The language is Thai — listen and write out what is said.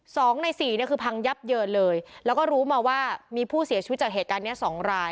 สองในสี่เนี่ยคือพังยับเยินเลยแล้วก็รู้มาว่ามีผู้เสียชีวิตจากเหตุการณ์เนี้ยสองราย